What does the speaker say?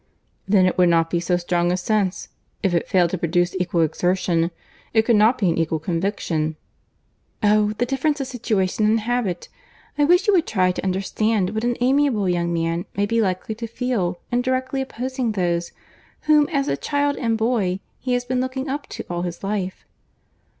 "Then it would not be so strong a sense. If it failed to produce equal exertion, it could not be an equal conviction." "Oh, the difference of situation and habit! I wish you would try to understand what an amiable young man may be likely to feel in directly opposing those, whom as child and boy he has been looking up to all his life."